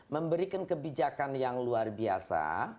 memberikan kebijakan yang luar biasa